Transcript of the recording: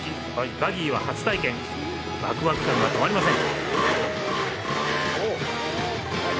バギーは初体験わくわく感が止まりません。